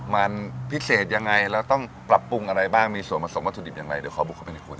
มันพิเศษยังไงแล้วต้องปรับปรุงอะไรบ้างมีส่วนผสมวัตถุดิบอย่างไรเดี๋ยวขอบุกเข้าไปในคุณ